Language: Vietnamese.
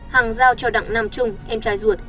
hằng giao cho đặng nam trung em trai ruột